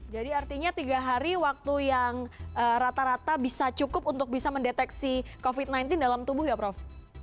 jadi artinya tiga hari waktu yang rata rata bisa cukup untuk bisa mendeteksi covid sembilan belas dalam tubuh ya prof